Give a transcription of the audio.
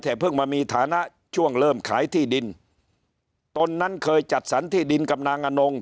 แต่เพิ่งมามีฐานะช่วงเริ่มขายที่ดินตนนั้นเคยจัดสรรที่ดินกับนางอนง